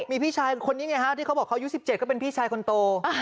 มีพี่ชายคนนี้ไงฮะที่เขาบอกเขาอายุ๑๗ก็เป็นพี่ชายคนโต